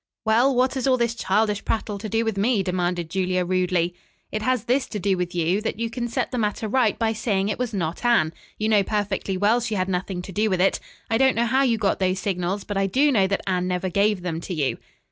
"Well what has all this childish prattle to do with me?" demanded Julia rudely. "It has this to do with you, that you can set the matter right by saying it was not Anne. You know perfectly well she had nothing to do with it. I don't know how you got those signals, but I do know that Anne never gave them to you."